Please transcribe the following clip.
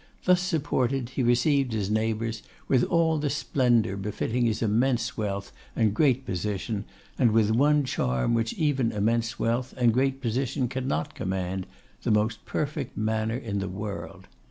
Thus supported, he received his neighbours with all the splendour befitting his immense wealth and great position, and with one charm which even immense wealth and great position cannot command, the most perfect manner in the world.